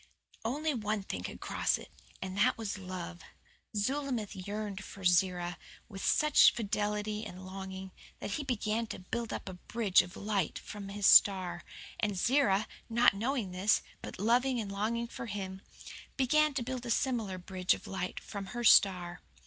Only one thing could cross it and that was love. Zulamith yearned for Zerah with such fidelity and longing that he began to build up a bridge of light from his star; and Zerah, not knowing this, but loving and longing for him, began to build a similar bridge of light from her star.